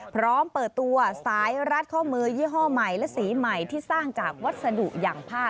พร้อมเปิดตัวสายรัดข้อมือยี่ห้อใหม่และสีใหม่ที่สร้างจากวัสดุอย่างผ้า